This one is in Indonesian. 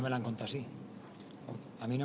pertanyaan lain marinos